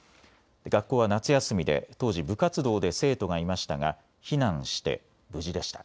学校は夏休みで当時、部活動で生徒がいましたが避難して無事でした。